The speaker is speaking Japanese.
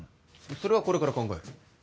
それはこれから考える。